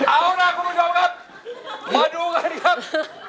เอาล่ะคุณผู้ชมครับมาดูกันครับ